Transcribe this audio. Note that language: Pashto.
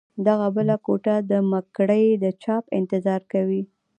دغه بله ټولګه دمګړۍ د چاپ انتظار کوي.